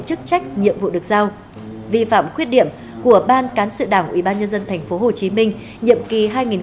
chức trách nhiệm vụ được giao vi phạm quyết điểm của ban cán sự đảng ubnd tp hcm nhiệm kỳ